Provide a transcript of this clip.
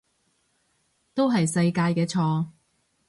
都係世界嘅錯